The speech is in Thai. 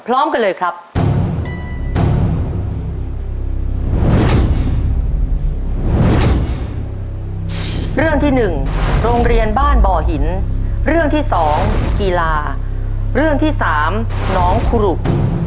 พร้อมกันเลยครับ